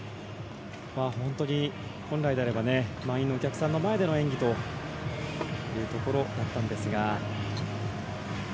本当に本来であれば満員のお客さんの前での演技というところだったんですが。